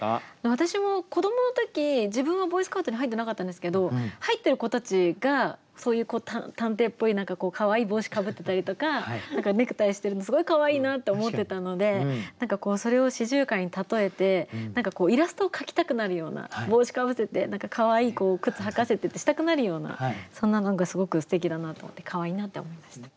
私も子どもの時自分はボーイスカウトに入ってなかったんですけど入ってる子たちがそういう探偵っぽい何かこうかわいい帽子かぶってたりとかネクタイしてるのすごいかわいいなって思ってたので何かそれを四十雀に例えてイラストを描きたくなるような帽子かぶせてかわいい靴履かせてってしたくなるようなそんな何かすごくすてきだなと思ってかわいいなって思いました。